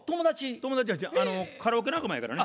友達やしカラオケ仲間やからね。